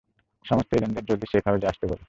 সমস্ত এজেন্টদের জলদি সেইফ হাউসে আসতে বলো।